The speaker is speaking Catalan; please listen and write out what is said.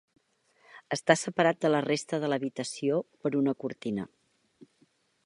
Està separat de la resta de l'habitació per una cortina.